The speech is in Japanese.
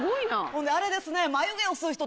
ほんであれですね。